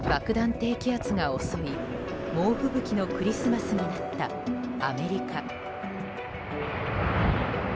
低気圧が襲い猛吹雪のクリスマスになったアメリカ。